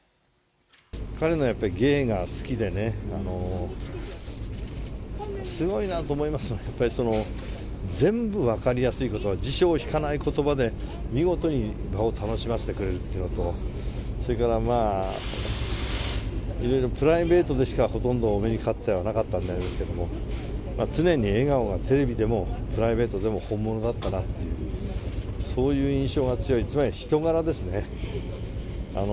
彼のやっぱり芸が好きでね、すごいなと思いますね、やっぱり全部分かりやすいことば、辞書を引かないことばで、見事に場を楽しませてくれるというのと、それから、いろいろプライベートでしかほとんどお目にかかってはなかったんですけれども、常に笑顔が、テレビでもプライベートでも本物だったなっていう、そういう印象が強い、つまり人柄ですね。